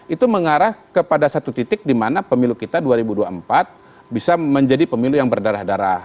itu mengarah kepada satu titik di mana pemilu kita dua ribu dua puluh empat bisa menjadi pemilu yang berdarah darah